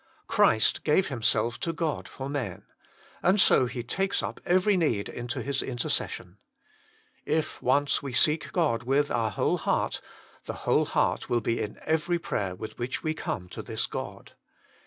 Christ gave Himself to God for men ; and so He takes up every need into His intercession. If once we seek God with our whole heart, the whole heart will be in every prayer with which we come to this God.